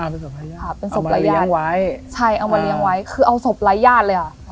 เอามาเลี้ยงไว้ใช่เอามาเลี้ยงไว้คือเอาศพร้ายญาติเลย